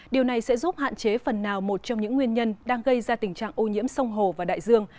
điều này sẽ giúp hạn chế phần nào một trong những nguyên nhân đang gây ra tình trạng ô nhiễm sông hồ và đại dương